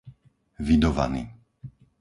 Vidovany